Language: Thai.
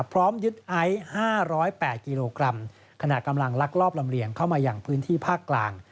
พร้อมยึดไอซ์๕๐๘กิโลกรัมขณะกำลังลักลอบลำเลียงเข้ามาอย่างพื้นที่ภาคกลาง